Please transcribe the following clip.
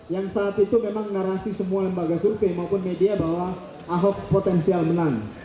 yang saat itu memang narasi semua lembaga survei maupun media bahwa ahok potensial menang